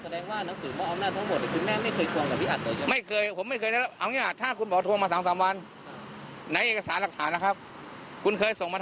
แล้วก็หนังสือเพื่อถอนพนาย